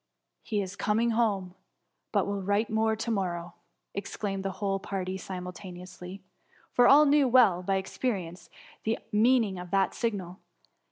'' He is coming home, but will write more to morrow,^ exclaimed the whole party simulta neously ; for all knew well by experience, the meaning of that signal.